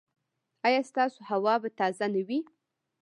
ایا ستاسو هوا به تازه نه وي؟